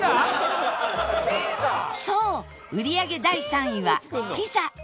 そう売り上げ第３位はピザ